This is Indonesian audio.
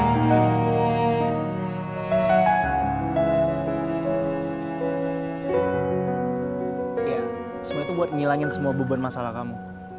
sebenarnya itu untuk menghilangkan semua bubur masalah kamu